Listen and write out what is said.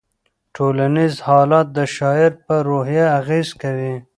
ټولنیز حالات د شاعر په روحیه اغېز کوي.